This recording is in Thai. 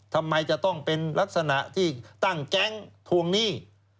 ทำไมจะต้องเป็นลักษณะที่ตั้งแก๊งทวงหนี้